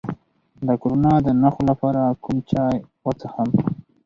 د کرونا د نښو لپاره کوم چای وڅښم؟